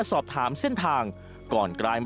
สวัสดีครับ